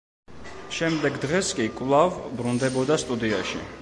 შემდეგ დღეს კი კვლავ ბრუნდებოდა სტუდიაში.